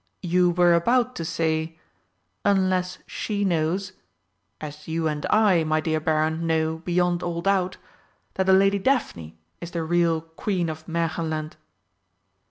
"You were about to say: Unless she knows as you and I, my dear Baron, know beyond all doubt that the Lady Daphne is the real Queen of Märchenland?"